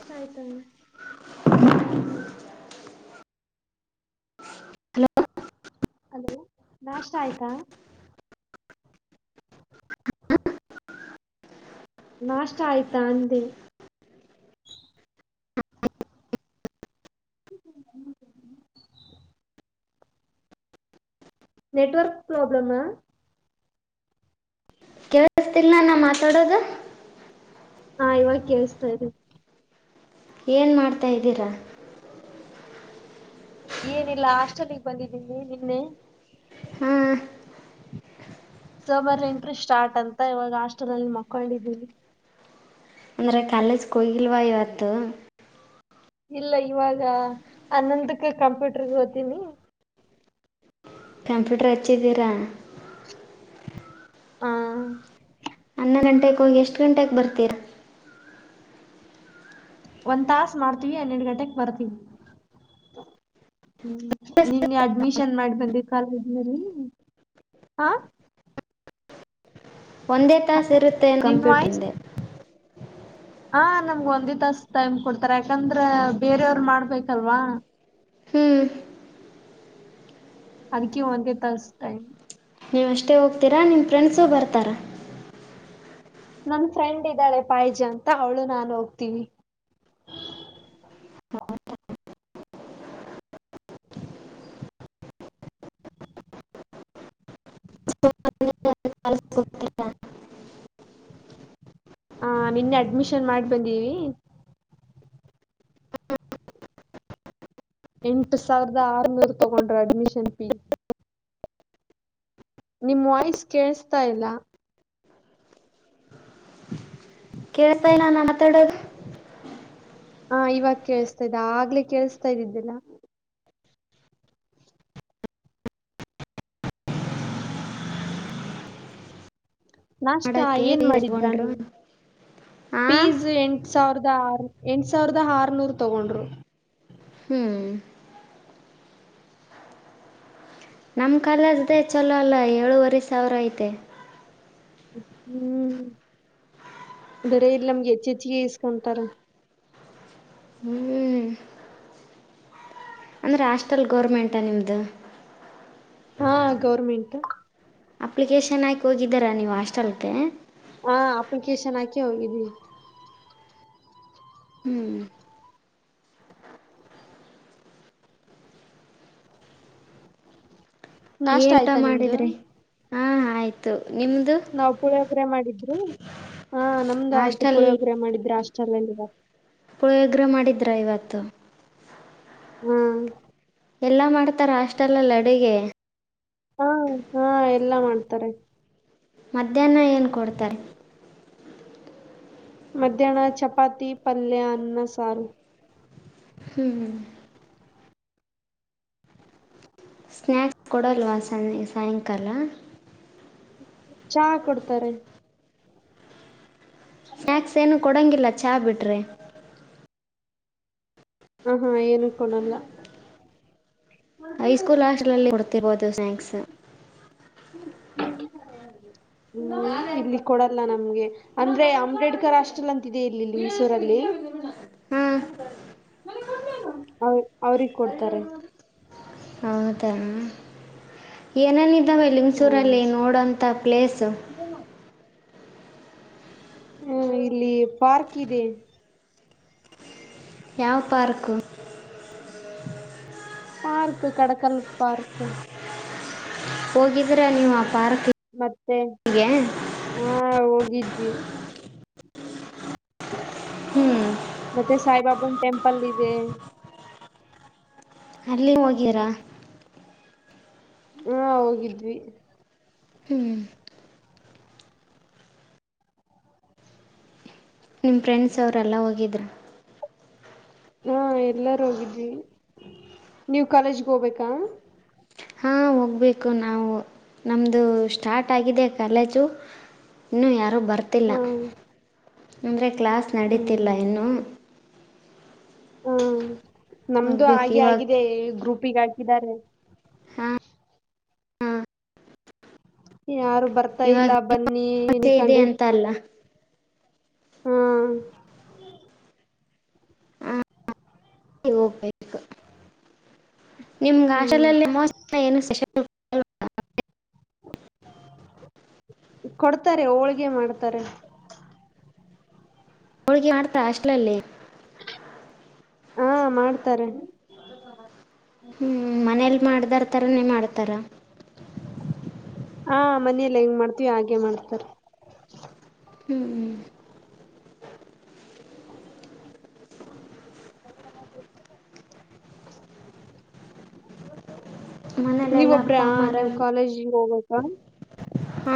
ಇಷ್ಟ ಆಯ್ತಾ [unintelligible] hello hello ನಾಷ್ಟ ಆಯ್ತಾ ನಾಷ್ಟ ಆಯ್ತಾ ಅಂದೆ [unintelligible] ನೆಟ್ ವರ್ಕ್ ಪ್ರಾಬ್ಲಮ್ ಹಾ. ಕೇಳಿಸ್ತಿಲ್ಲ ನಾ ಮಾತಾಡೋದು. ಹಾ ಇವಾಗ ಕೇಳ್ಸತ್ತಾ ಇದೆ. ಏನು ಮಾಡ್ತಾ ಇದ್ದಿರಾ. ಏನಿಲ್ಲ ಹಾಸ್ಟಲ್ಲ್ಗೆ ಬಂದಿದ್ದೀನಿ ನಿನ್ನೆ. ಹಾ ಒಂಬತ್ತುರಿಂತ ಸ್ಟಾರ್ಟ್ ಅಂತ ಇವಾಗ ಹಾಸ್ಟೆಲ್ ಅಲ್ಲಿ ಮಕ್ಕೊಂಡಿದ್ದೀನಿ. ಅಂದ್ರೆ ಕಾಲೇಜಕ್ ಹೋಗಿಲ್ವಾ ಇವತ್ತು. ಇಲ್ಲ ಇವಾಗ ಹನ್ನೋಂದಕ್ಕ ಕಂಪ್ಯೂಟರ್ಗ ಹೋತಿನಿ. ಕಂಪ್ಯೂಟರ್ ಹಚ್ಚಿದ್ದೀರಾ. ಹಾ ಹನ್ನೊಂದು ಗಂಟೆಗೆ ಹೋಗಿ ಎಷ್ಟು ಗಂಟೆಗೆ ಬರ್ತೀರಾ. ಒಂದು ತಾಸು ಮಾಡ್ತೀವಿ ಹನ್ನೆರಡು ಗಂಟೆಕ್ ಬರ್ತೀವಿ ಹ್ಮ್. ನಿನ್ನೆ ಅಡ್ಮಿಷನ್ ಮಾಡಿ ಬಂದಿದೆ ಕಾಲೇಜಿನಲ್ಲಿ ಹಾ. ಒಂದೇ ತಾಸ್ ಇರುತ್ತೆ ನಿನ್ ಕಂಪ್ಯೂಟರ್ ವಾಯ್ಸ್ ಹಿಂದೆ. ಹಾ ನಮ್ಗೆ ಒಂದೇ ತಾಸು ಟೈಮ್ ಕೊಡ್ತಾರ ಯಾಕಂದ್ರೆ ಬೇರೆಯವರು ಮಾಡ್ಬೇಕಲ್ವಾ. ಹು ಅದಕ್ಕೆ ಒಂದೇ ತಾಸು ಟೈಮ್. ನೀವು ಅಷ್ಟೇ ಹೋಗ್ತೀರಾ ನಿಮ್ಮ ಫ್ರೆಂಡ್ಸು ಬರ್ತಾರಾ. ನಮ್ಮ ಫ್ರೆಂಡ್ ಇದ್ದಾಳೆ ಪಾಯಜ ಅಂತ ಅವಳು ನಾನು ಹೋಗ್ತೀವಿ. [unintelligible] ನೀವು ಇವತ್ತ ಕಾಲೇಜಿಗ ಹೋಗತ್ತಿರಾ. ಹಾ ನಿನ್ನೆ ಅಡ್ಮಿಷನ್ ಮಾಡಿ ಬಂದೀನಿ. ಎಂಟು ಸಾವಿರದ ಆರುನೂರು ತೊಗೊಂಡ್ರ ಅಡ್ಮಿಷನ್ ಫೀ. ನಿಮ್ ವಾಯ್ಸ್ ಕೇಳಸ್ತಾ ಇಲ್ಲ. ಕೇಳ್ತಾ ಇಲ್ಲ ನಾನು ಮಾತಾಡೋದು. ಹಾ ಇವಾಗ ಕೇಳಿಸ್ತಾ ಇದೆ ಆಗ್ಲೇ ಕೇಳಸ್ತಾ ಇದಿದ್ದಿಲ್ಲ. ನಾಷ್ಟ ಮಾಡೋಕ್ಕೆ ಏನ್ ಫೀಸ್ ಮಾಡಿದ್ರಾ ತಗೊಂಡ್ರು ನೀವು ಹಾಂ ಪೀಸ್ ಎಂಟ್ ಸಾವಿರದ ಆರು ಎಂಟು ಸಾವಿರದ ಆರು ನೂರು ತಗೊಂಡ್ರು. ಹು ನಮ್ಮ ಕಾಲೇಜ್ದೇ ಚಲೋ ಅಲ್ಲ ಏಳೂವರೆ ಸಾವಿರ ಐತೆ. ಹು ಬಿಡಿ ಇಲ್ಲಿ ನಮ್ಗೆ ಹೆಚ್ಚ್ ಹೆಚ್ಚಿಗೆ ಇಸ್ಕೊಂತಾರೆ. ಹು ಅಂದ್ರೆ ಹಾಸ್ಟೆಲ್ ಗೌರ್ಮೆಂಟಾ ನಿಮ್ಮದು. ಹಾ ಗೌರ್ಮೆಂಟೂ ಅಪ್ಲಿಕೇಶನ್ ಹಾಕಿ ಹೋಗಿದ್ದೆರಾ ನೀವು ಹಾಸ್ಟೆಲ್ಗೆ. ಹ ಅಪ್ಲಿಕೇಶನ್ ಹಾಕಿ ಹೋಗಿದ್ವಿ. ಹು ನಾಷ್ಟ ಏನ್ ಊಟ ಆಯ್ತಾ ನಿಮ್ದು ಮಾಡಿದ್ರಿ ಹಾ ಆಯ್ತು ನಿಮ್ದು. ನಾವು ಪುಳಿಯೊಗರೆ ಮಾಡಿದ್ರು ಹಾ ನಮ್ದು ಆಯ್ತು ಹಾಸ್ಟೆಲ್ ಪುಳಿಯಗರೆ ಮಾಡಿದ್ರ ಹಾಸ್ಟೆಲ್ ಅಲ್ಲಿ ಇವತ. ಪುಳಿಯೋಗರೆ ಮಾಡಿದ್ರಾ ಇವತ್ತು. ಹ್ಮ ಎಲ್ಲಾ ಮಾಡ್ತಾರ ಹಾಸ್ಟಲ್ಲಲ್ಲಿ ಅಡುಗೆ. ಹಾ ಹಾ ಎಲ್ಲಾ ಮಾಡ್ತಾರೆ. ಮಧ್ಯಾಹ್ನ ಏನ್ ಕೊಡ್ತಾರೆ? ಮಧ್ಯಾಹ್ನ ಚಪಾತಿ ಪಲ್ಯ ಅನ್ನ ಸಾರು. ಹ್ಮ್ ಹ್ಮ್ ಸ್ನ್ಯಾಕ್ಸ್ ಕೊಡಲ್ವಾ ಸಯ್ -ಸಾಯಂಕಾಲ. ಚಾ ಕೊಡ್ತಾರೆ. ಸ್ನ್ಯಾಕ್ಸ್ ಏನು ಕೊಡಂಗಿಲ್ಲ ಚಾ ಬಿಟ್ರೆ. ಹ ಹಾ ಏನು ಕೊಡಲ್ಲ ಹೈಸ್ಕೂಲ್ ಹಾಸ್ಟ್ಲ್ ಅಲ್ಲಿ ಕೊಡ್ತಿರ್ಬೋದು ಸ್ನಾಕ್ಸ್ ಹ್ಮ ಇಲ್ಲಿ ಕೊಡಲ್ಲ ನಮ್ಗೆ ಅಂದ್ರೆ ಅಂಬೇಡ್ಕರ್ ಹಸ್ಟೆಲ್ ಅಂತಿದೆ ಇಲ್ಲಿ ಮೈಸೂರಲ್ಲಿ ಹಾಂ ಅವ ಅವ್ರಿಗೆ ಕೊಡ್ತಾರೆ ಹೌದ ಏನೇನ ಇದಾವೆ ಲಿಂಗಸೂರಲ್ಲಿ ನೋಡೋಂತ ಪ್ಲೇಸ್? ಹ [unintelligible] [unintelligible] ಹಾ ಇಲ್ಲಿ ಪಾರ್ಕ್ ಇದೆ. ಯಾವ ಪಾರ್ಕ್ಕು? ಪಾರ್ಕ್ ಕಡಕಲ್ ಪಾರ್ಕ್ ಹೋಗಿದ್ರೆ ನೀವು ಆ ಪಾರ್ಕ್ ಮತ್ತೆ ಹೀಗೆ ಹಾ ಹೋಗಿದ್ವಿ. ಹ್ಞೂ ಮತ್ತೆ ಸಾಯಿಬಾಬಾ ಟೆಂಪಲ್ ಇದೆ ಅಲ್ಲಿ ಹೋಗಿರಾ ಹಾ ಹೋಗಿದ್ವಿ ಹ್ಮ್ ನಿಮ್ಮ ಫ್ರೆಂಡ್ಸ್ ಅವರೆಲ್ಲ ಹೋಗಿದ್ರು. ಹಾ ಎಲ್ಲರೂ ಹೋಗಿದ್ವಿ ನೀವ್ ಕಾಲೇಜ್ಗೆ ಹೋಗಬೇಕಾ? ಹಾಂ ಹೋಗ್ಬೇಕು ನಾವು ನಮ್ದು ಸ್ಟಾರ್ಟ್ ಆಗಿದೆ ಕಾಲೇಜು ಇನ್ನೂ ಯಾರೂ ಬರ್ತಿಲ್ಲ ಹ್ಮ್ ಅಂದರೆ ಕ್ಲಾಸ್ ಹ್ಮ್ ನಡೀತಿಲ್ಲ ಇನ್ನೂ ಹ್ಮ ನಮ್ದು ಹೋಗ್ಬೇಕು ಹಾಗೆ ಇವಾಗ ಆಗಿದೆ ಗ್ರೂಪಿಗೆ ಹಾಕಿದ್ದಾರೆ ಹಾಂ ಯಾರು ಬರ್ತಾ ಇವಾಗ ಇಲ್ಲ ಬನ್ನಿ ನ ಅಮಾವಾಸ್ಯೆ ಕಂಡ ಇದೆ ಅಂತ ಅಲ್ಲ ಹ್ಮ ಹಾಂ ಹೋಗ್ಬೇಕು ನಿಮ್ಗೆ ಹಾಸ್ಟೆಲ್ ಹ್ಮ್ ನಲ್ಲಿ ಏನು ಸ್ಪೆಷಲ್ ಕೊಡ್ತಾರೆ ಹೋಳ್ಗೆ ಮಾಡ್ತಾರೆ ಹೋಳ್ಗಿ ಮಾಡ್ತಾ ಹಾಸ್ಟೆಲ್ನಲಿ ಹಾ ಮಾಡ್ತಾರೆ ಹ್ಮ್ ಮನೇಲ್ ಮಾಡ್ದರ್ ತರನೇ ಮಾಡ್ತಾರ ಹಾ ಮನೇಲ್ಲಿ ಹೆಂಗ್ ಮಾಡ್ತೀವಿ ಹಾಗೆ ಮಾಡ್ತಾರೆ ಹ್ಮ್ ಹ್ಮ್ ನೀವ್ ಮನೇಲೆಲ್ಲ ಅಪ್ಪ ಒಬ್ರ ಅಮ್ಮ ನೀವು ಕಾಲೇಜಿಗೆ ಹೋಗಬೇಕ ಹ್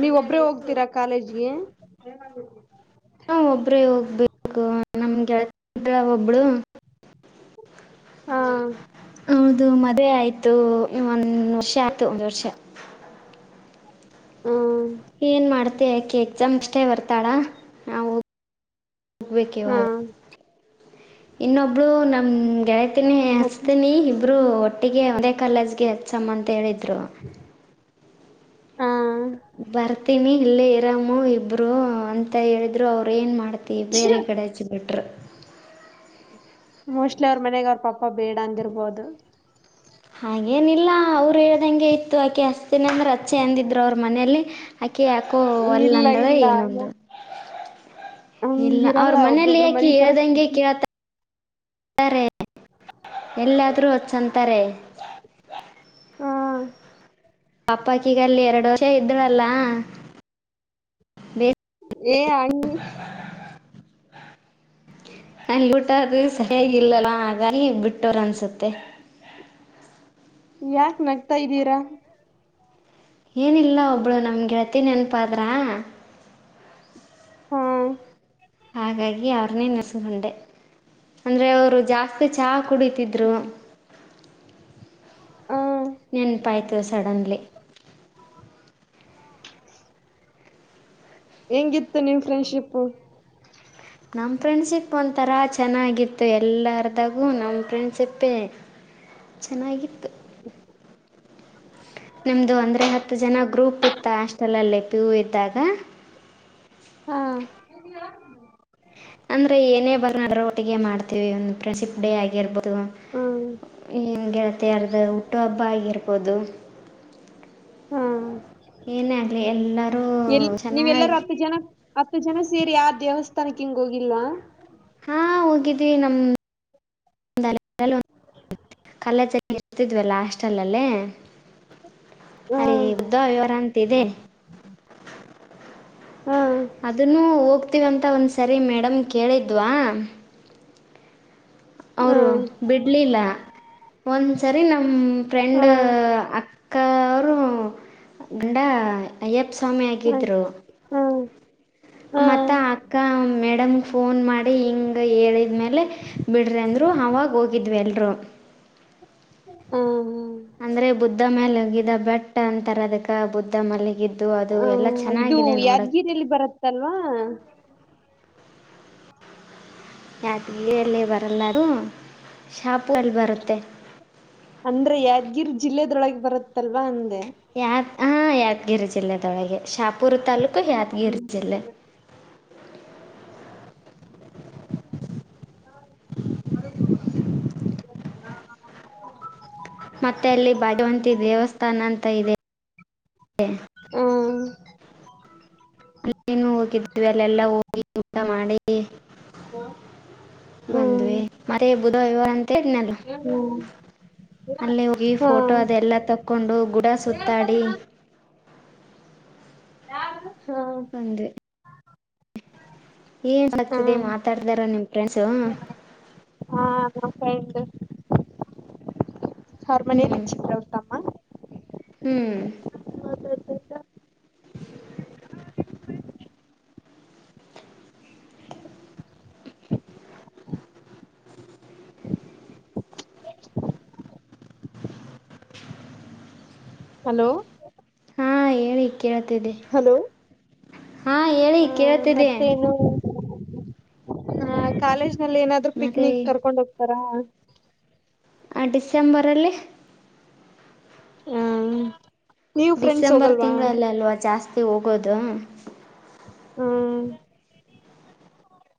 ನೀವ್ ಒಬ್ಬ್ರೇ ಹೋಗ್ತೀರಾ ಕಾಲೇಜ್ಗೆ. [inaudible] ಹ ಒಬ್ಬರೇ ಹೋಗ್ಬೇಕು ನಮ್ಗೆಳತ್ರ ಒಬ್ಳು. ಹಾ ಹೌದು ಮದ್ವೆ ಆಯ್ತು ಒಂದ ವರ್ಷ ಆಯ್ತು ಒಂದು ವರ್ಷ. ಹಾ- ಏನ್ ಮಾಡ್ತೆ ಯಾಕೆ ಎಕ್ಸಾಮ್ ಅಷ್ಟೇ ಬರ್ತಾಳಾ ನಾವು. ಹೋಗಬೇಕ ಹಾ ಇವಾಗ ಇನ್ನೊಬ್ಳ ನಮ್ ಗೆಳತಿರಿ. ಹತೀನಿ ಹಚ್ತೀನಿ ಇಬ್ರು ಒಟ್ಟಿಗೆ ಒಂದೇ ಕಾಲೇಜ್ಗೆ ಹಚ್ಚಮ್ಮ ಅಂತ ಹೇಳಿದ್ರು. ಬರ್ತೀಮಿ ಇಲ್ಲೇ ಇರಾಮ ಇಬ್ರು ಅಂತ ಹೇಳಿದ್ರು ಅವ್ರ ಏನ್ ಮಾಡ್ತ. ತ್ತ ಹಾ ಬೇರೆ ಕಡಾಯಚು ಬಿಟ್ಟರು. ಮೋಸ್ಟ್ಲಿ ಅವ್ರ ಮನೆಗೆ ಅವ್ರ ಪಪ್ಪ ಬೇಡ ಅಂದಿರ್ಬೋದು. ಹಾಗೇನಿಲ್ಲ ಅವ್ರು ಹೇಳ್ದಂಗೆ ಇತ್ತು ಆಕೆ ಹಸ್ತಿನ ಅಂದೆ ಅಚ್ಚೆ ಅಂದಿದ್ರು ಅವ್ರ ಮನೆಯಲ್ಲಿ. ಆಾಕಿ ಯಾಕೋ ಇಲ್ಲ ಯಲ್ಯಾಂದಲ ಇಲ್ಲ ಏನು ಅಂದಳು. ಹಂಗ ಇಲ್ಲ ಅವ್ರ ಇರಲ್ಲ ಮನೇಲಿ ಒಬ್ರೊಬ್ರ ಯಾಕಿ ಮನಿ ಹೇಳ್ದಂಗೆ ಪರಿಸ್ಥಿತಿ ಕೇಳತ. ಎಲ್ಲಾದ್ರೂ ಹಚಂತಾರೆ. ಹಾ ಪಾಪಾಕ್ಕಿಗಲ್ಲಿ ಎರಡು ವರ್ಷ ಇದ್ರಲ್ಲ. ಏ ಅ್ಣಿ. ನನ್ಗ್ ಊಟ ಅದು ಸರಿಯಾಗಿಲ್ಲಲ್ಲ ಹಾಗಾಗಿ ಬಿಟ್ಟೋರು ಅನ್ಸುತ್ತೆ. ಯಾಕ ನಗ್ತಾ ಇದ್ದೀರಾ. ಏನಿಲ್ಲ ಒಬ್ಬಳು ನಮ್ಗೆಳತಿ ನೆನಪಾದ್ರ. ಹ್ಮ- ಹಾಗಾಗಿ ಅವ್ರನ್ನೇ ನೆನೆಸ್ಕೊಂಡೆ ಅಂದರೆ ಅವರು ಜಾಸ್ತಿ ಚಹಾ ಕುಡಿತಿದ್ರು. ಹ ನೆನಪಾಯತು. ಸಡನ್ಲಿ. ಹೆಂಗಿತ್ತು ನೀಮ್ ಫ್ರೆಂಡ್ಶಿಪ್. ನಮಮ್ಮ್ ಫ್ರೆಂಡ್ಶಿಪ್ ಒಂಥರಾ ಚೆನ್ನಾಗಿತ್ತು ಎಲ್ಲಾರದಾಗು ನಮ್ ಫ್ರೆಂಡ್ಶಿಪ್ಪೇ. ಚೆನ್ನಾಗಿತ್ತು. [inaudible] ನಮ್ದು ಅಂದ್ರೆ ಹತ್ತು ಜನ ಗ್ರೂಪ್ ಇತ್ತ ಹಾಸ್ಟೆಲ್ ಅಲ್ಲಿ ಪಿ ಯು ಇದ್ದಾಗ. ಹಾ. ಅಂದ್ರೆ ಏನೇ ಬರನಾದ್ರೂ ಒಟ್ಟಿಗೆ ಮಾಡ್ತೀವಿ ಒಂದು ಪ್ರೆಂಶಿಪ್ಡೇ ಆಗಿರಬ. ದು ಹ್ಮ್ ಗೆಳತಿಯರದು ಹುಟ್ಟು ಹಬ್ಬ ಆಗಿರ್ಬೋದು. ಹಾ ಏನೇ ಆಗಲಿ ಎಲ್ಲರೂ ಎಲ್ ನೀವೆಲ್ಲಾರ ಚೆನ್ನಾಗಿ ಹತ್ತು ಜನ. ಹತ್ತು ಜನ ಸೇರಿ ಯಾರ ದೇವಸ್ಥಾನಕ್ಕೆ ಹಿಂಗ ಹೋಗಿಲ್ಲ. ಹಾ ಹೋಗಿದ್ವಿ ನ. ಕಾಲ್ಲೆಜಗ ಇರ್ತಿದ್ವಲ್ಲ ಹಾಸ್ಟೆಲ್ ಅಲ್ಲೀ. ಅಲ್ಲಿ ಹ್ಮ್ ಉದ್ದ ವಿವರ ಅಂತ ಇದೆ. ಹ್ಮ್ ಅದನ್ನು ಹೋಗ್ತೀವಂತ ಒಂದ್ಸರಿ ಮೇಡಮ್ಮಿಗ್ ಕೇಳಿದ್ವಾ. ಅವರು ಹ್ಮ್ ಬಿಡ್ಲಿಲ್ಲ ಒಂದ್ಸರಿ ನಮ್ಮ ಫ್ರೆಂಡ್ ಹ್ಮ್ ಅ. ಕ ಅವರು ಗಂಡ ಅಯ್ಯಪ್ಪ ಸ್ವಾಮಿ ಆಗಿದ್ದರು. ಹ್ಮ- ಮತ್ತು ಅಕ್ಕ ಮೇಡಮ್ಗೆ ಫೋನ್ ಮಾಡಿ ಹಿಂಗೆ ಹೇಳಿದ ಮೇಲೆ. ಬಿಡ್ರಿ ಅಂದ್ರು ಆವಾಗ ಹೋಗಿದ್ವಿ ಎಲ್ಲರೂ. ಹ್ಮ ಹ್ಮ- ಅಂದ್ರೆ ಬುದ್ಧ ಮ್ಯಾಲೊಗಿದ ಬೆಟ್ಟ ಅಂತರ ಅದಕ್. ಬುದ್ಧ ಮಲಗಿದ್ದು ಅದು ಎಲ್ಲಾ ಚೆನ್ನಾಗಿದೆ ನೋಡಕ್ಕೆ. ಎಲ್ಲಾ ಮತ್ತೆ ಇಲ್ಲೇ ಎಲ್ಲೂ ಬರಲ್ಲದು ಶಾಪೂರಲ್ಲಿ ಬರುತ್ತೆ. ಅಂದ್ರೆ ಯಾದಗಿರ್ ಜಿಲ್ಲೆದೊಳಗೆ ಬರುತ್ತಲ್ವಾ ಅಂದೆ. ಯಾದ ಹ ಯಾದಗಿರಿ ಜಿಲ್ಲೆದೊಳಗೆ ಶಾಪೂರು ತಾಲೂಕು ಯಾದಗಿರಿ ಜಿಲ್ಲೆ. [unintelligible] ಮತ್ತೆ ಅಲ್ಲಿ ಭಾಗ್ಯವಂತಿ ದೇವಸ್ಥಾನ ಅಂತ ಇದೆ. ಹ್ಮ ಅಲ್ಲೇನು ಹೋಗಿದ್ವಿ ಅಲ್ಲೆಲ್ಲಾ ಹೋಗಿ ಊಟ ಮಾಡಿ. ಹಾ ಬಂದ್ವೀ ಮರಿಯದಲ್ವ ಇವ ಅಂತ ಹೇಳಿದ್ನೆಲ್ಲ. ಹ್ಮ್ ಅಲ್ಲೆ ಹೋಗಿ ಫೋಟೋ ಅದೆಲ್ಲ ತಕ್ಕೊಂಡು ಗುಡ ಸುತ್ತಾಡಿ. ಯಾರದು ಹ ಬಂದ್ವಿ ಏನ್ ಆಗ್ತಿದೆ ಹ್ಮ್ ಮಾತಾಡ್ತಿದಾರ ನಿಮ್ ಫ್ರೆಂಡ್ಸು. ಹಾ ಮಾತಾಡದ್ರೂ ಅವರು ಮನೇಲಿ ಹ್ಮ್ ಚಿಕ್ಕವನ್ ತಮ್ಮ ಹ್ಮ್ ಮಾತಾಡುತ್ತಾ ಇದ [unintelligible] ಹಲೋ ಹಾ ಹೇಳಿ ಕೇಳುತಿದೆ. ಹಲೋ ಹ ಮತ್ತೇನು ಹ‌ ಕಾಲೇಜ್ ನಲ್ಲಿ ಏನಾದ್ ದ್ರೂ ಮತ್ತೆ ಪಿಕ್ನಿಕ್ ಕರ್ಕೊಂಡ್ ಹೋಗ್ತಾರಾ. ಆ ಡಿಸೆಂಬರಲ್ಲಿ ಹ್ಮ್ ನೀವ್ ಫ್ರೆಂಡ್ಸ್ ಡಿಸೆಂಬರ್ ಹೋಗಲ್ವಾ ತಿಂಗಳಲ್ಲಿ ಅಲ್ವಾ ಜಾಸ್ತಿ ಹೋಗೋದು. ಹ್ಮ್